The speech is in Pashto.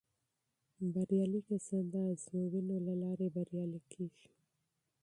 بریالي کسان د ازموینو له لارې بریالي کیږي.